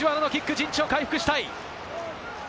陣地を回復したい。